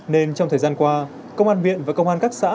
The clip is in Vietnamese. nên trong thời gian qua công an huyện và công an các xã